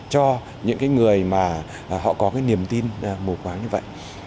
cho những cái người mà họ có cái niềm tin mù quáng như vậy